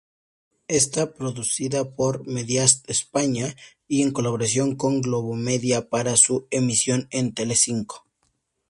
Está producida por Mediaset España, en colaboración con Globomedia, para su emisión en Telecinco.